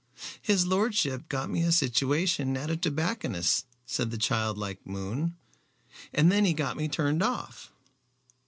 "His lordship got me a situation at a tobacconist's," said the child like Moon, "and then he got me turned off."